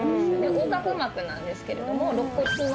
横隔膜なんですけれども。